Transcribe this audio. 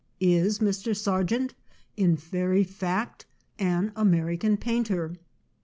Is Mr. Sargent in very fact an American painter?